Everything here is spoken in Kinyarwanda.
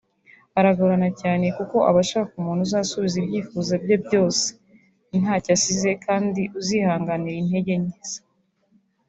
aragorana cyane kuko aba ashaka umuntu uzasubiza ibyifuzo bye byose ntacyo asize kandi uzihanganira intege nke ze